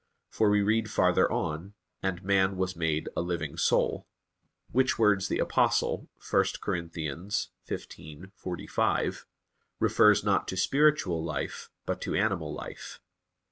For we read farther on, "And man was made a living soul"; which words the Apostle (1 Cor. 15:45) refers not to spiritual life, but to animal life.